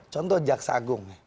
contoh jaksa agung